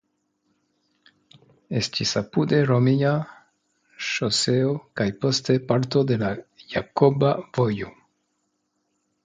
Estis apude romia ŝoseo kaj poste parto de la Jakoba Vojo.